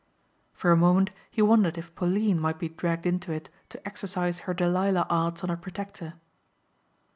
For a moment he wondered if Pauline might be dragged into it to exercise her Delilah arts on her protector.